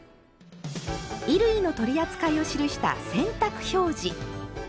衣類の取り扱いを記した「洗濯表示」。